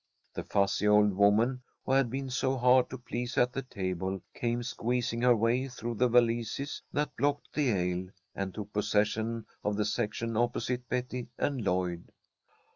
The fussy old woman, who had been so hard to please at the table, came squeezing her way through the valises that blocked the aisle, and took possession of the section opposite Betty and Lloyd.